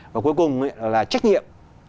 và cuối cùng là trách nhiệm